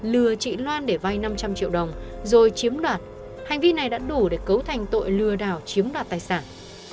lừa chị loan để vay năm trăm linh triệu đồng rồi chiếm đoạt hành vi này đã đủ để cấu thành tội lừa đảo chiếm đoạt tài sản